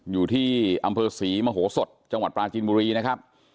อยู่ที่อำเภอศรีมโหสดจังหวัดปราจินบุรีนะครับ